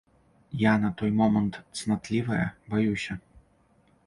Я на той момант цнатлівая, баюся.